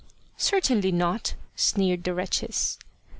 " Certainly not !" sneered the wretches.